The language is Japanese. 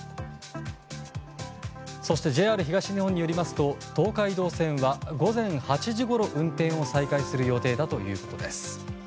そしてＪＲ東日本によりますと東海道線は午前８時ごろ運転を再開する予定だということです。